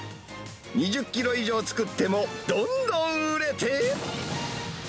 ２０キロ以上作っても、どんどん売れて。